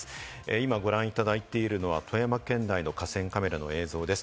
今ご覧いただいているのは富山県内の河川カメラの映像です。